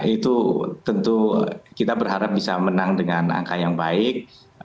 itu tentu kita berharap bisa menang dengan angka yang baik